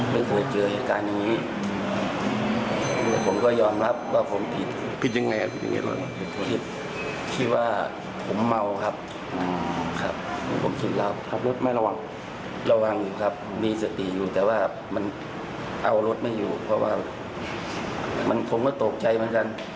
เพราะว่ามันคงก็ตกใจเหมือนกัน